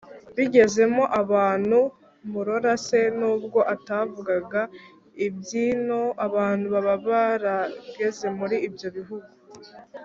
bigezemo abantu.” murora se nubwo atavugaga iby’ino, abantu baba barageze muri ibyo bihugu,